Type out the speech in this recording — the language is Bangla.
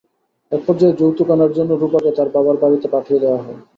একপর্যায়ে যৌতুক আনার জন্য রুপাকে তার বাবার বাড়িতে পাঠিয়ে দেওয়া হয়।